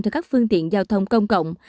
cho các phương tiện giao thông công